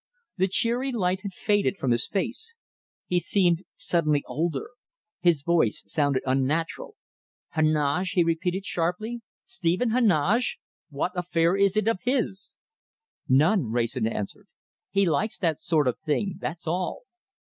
The cheery light had faded from his face. He seemed suddenly older. His voice sounded unnatural. "Heneage!" he repeated, sharply. "Stephen Heneage! What affair is it of his?" "None," Wrayson answered. "He likes that sort of thing, that's all.